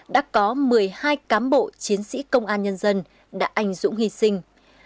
đã có một mươi hai cán bộ chiến sĩ công an nhân dân đã ảnh dũng hy sinh